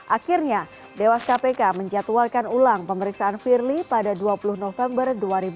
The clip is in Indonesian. akhirnya dewas kpk menjatuhalkan ulang pemeriksaan firly pada dua puluh november dua ribu dua puluh